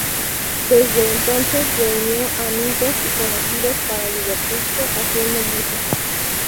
Desde entonces reunió amigos y conocidos para divertirse haciendo música.